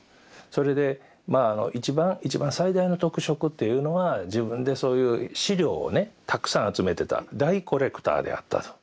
それでまああのいちばん最大の特色というのは自分でそういう資料をねたくさん集めてた大コレクターであったと。